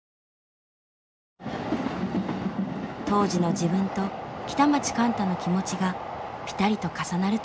当時の自分と北町貫多の気持ちがぴたりと重なるといいます。